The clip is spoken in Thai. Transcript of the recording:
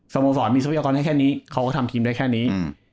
สโมสรมีศพแค่นี้เขาก็ทำทีมได้แค่นี้